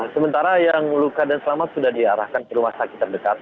sementara yang luka dan selamat sudah diarahkan ke rumah sakit terdekat